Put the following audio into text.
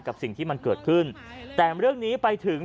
กับสิ่งที่มันเกิดขึ้นแต่เรื่องนี้ไปถึง